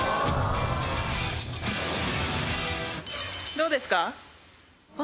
どうですか？